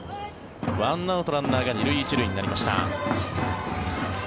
１アウト、ランナーが２塁１塁になりました。